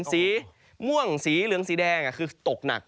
สีม่วงสีเหลืองสีแดงคือตกหนัก